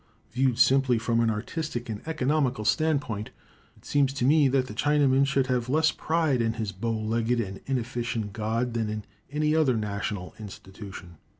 Viewed simply from an artistic and economical standpoint, it seems to me that the Chinaman should have less pride in his bow legged and inefficient god than in any other national institution.